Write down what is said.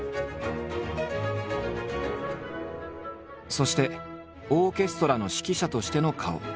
そしてオーケストラの指揮者としての顔。